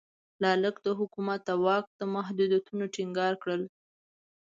لاک د حکومت د واک محدودیتونه ټینګار کړل.